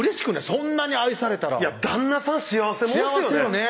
そんなに愛されたら旦那さん幸せもんっすよね